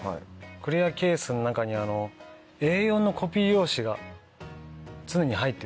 クリアケースの中にＡ４のコピー用紙が常に入ってて。